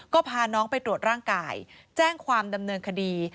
ก็พาน้องไปตรวจร่างกายแจ้งความดำเนินคดี